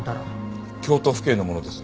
京都府警の者です。